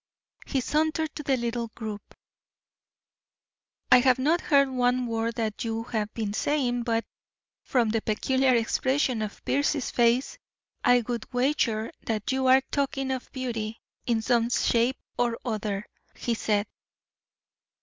He sauntered to the little group. "I have not heard one word that you have been saying, but from the peculiar expression of Piercy's face, I would wager that you are talking of beauty in some shape or other," he said.